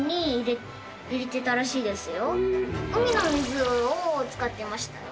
海の水を使ってましたよ。